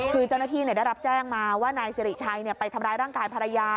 คือเจ้าหน้าที่ได้รับแจ้งมาว่านายสิริชัยไปทำร้ายร่างกายภรรยา